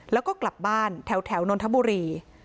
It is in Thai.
แล้วก็กลับบ้านแถวนนทบุรี